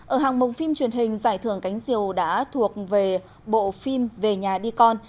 ở hàng mông phim truyền hình giải thưởng cánh diều đã thuộc về bộ phim về nhà đi con